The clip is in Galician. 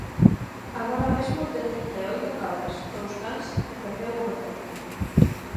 Agora mesmo ten trinta e oito cabras, dous cans e perdeu o becerro.